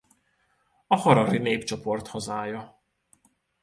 A harari népcsoport hazája.